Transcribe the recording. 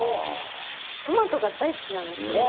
トマトが大好きなんですよ。